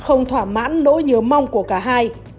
không thỏa mãn nỗi nhớ mong của cả hai